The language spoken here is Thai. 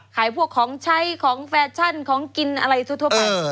ขายพวกของใช้ของแฟชั่นของกินอะไรทั่วไป